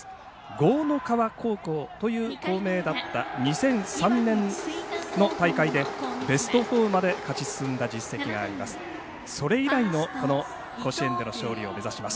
江の川高校という校名だった２００３年の大会でベスト４まで勝ち進んだ実績があります。